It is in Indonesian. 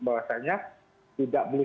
bahwasannya tidak beli